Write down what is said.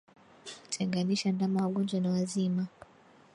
Tenganisha ndama wagonjwa na wazima